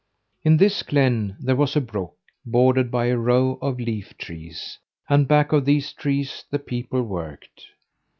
In this glen there was a brook, bordered by a row of leaf trees, and back of these trees the people worked.